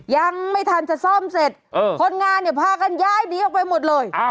ยังไม่ทันจะซ่อมเสร็จคนงานเนี่ยพากันย้ายหนีออกไปหมดเลย